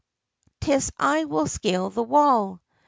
'Tis I will scale the wall."